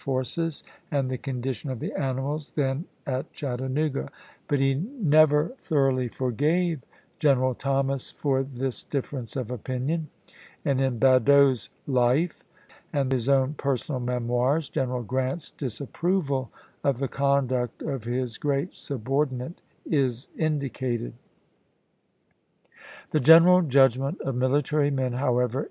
^' forces and the condition of the animals then at Chat tanooga"; but he never thoroughly forgave Gen eral Thomas for this difference of opinion, and in Badeau's " Life " and his own " Personal Memoirs " General Grant's disapproval of the conduct of his great subordinate is indicated. Part II. CHATTANOOGA 131 The general judgment of military men, however, chap.